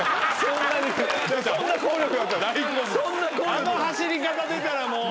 あの走り方出たらもう。